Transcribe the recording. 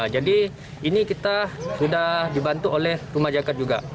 jadi ini kita sudah dibantu oleh rumah jakat juga